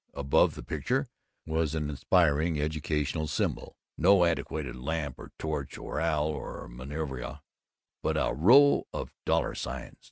Above the picture was an inspiring educational symbol no antiquated lamp or torch or owl of Minerva, but a row of dollar signs.